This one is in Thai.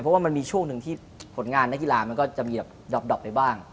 เพราะว่ามันมีช่วงหนึ่งที่ผลงานนักกีฬามันก็จะมีแบบดอบไปบ้าง